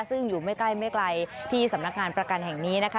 ซึ่งอยู่ไม่ใกล้ไม่ไกลที่สำนักงานประกันแห่งนี้นะคะ